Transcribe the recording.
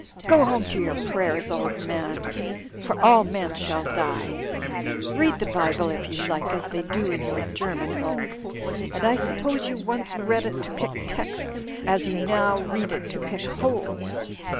Go home to your prayers, old man ; for all men shall die. Read the Bible, if you like, as they do in your German home ; and I suppose you once read it to pick texts as you now read it to pick holes.